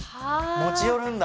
持ち寄るんだ？